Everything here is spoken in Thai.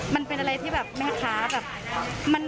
มันเป็นอะไรที่แบบชักและแม่ข้าค่ะ